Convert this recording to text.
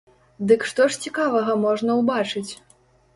Дык што ж цікавага можна ўбачыць?